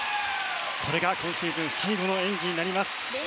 これが今シーズン最後の演技になります。